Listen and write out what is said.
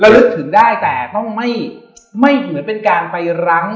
ลึกถึงได้แต่ต้องไม่เหมือนเป็นการไปรั้ง